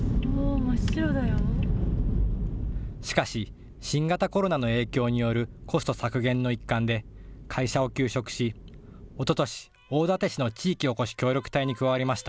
しかし、新型コロナの影響によるコスト削減の一環で会社を休職しおととし、大館市の地域おこし協力隊に加わりました。